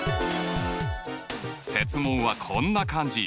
設問はこんな感じ。